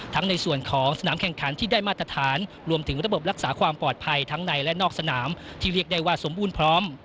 ในส่วนของสนามแข่งขันที่ได้มาตรฐานรวมถึงระบบรักษาความปลอดภัยทั้งในและนอกสนามที่เรียกได้ว่าสมบูรณ์พร้อม